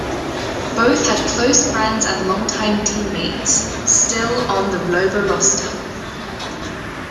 Both had close friends and long-time teammates still on the Lobo roster.